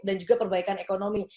dan juga perbaikan ekonomi